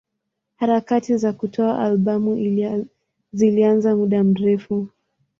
Harakati za kutoa albamu zilianza muda mrefu.